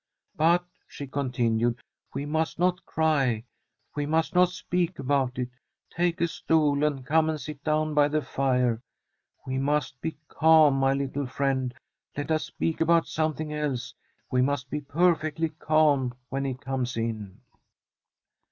But/ she continued, 'we must not cry. We must not speak about it. Take a stool and come and sit down by the fire. We must be calm, my little friend. Let us speak about something else. We must be perfectly calm when he comes in.'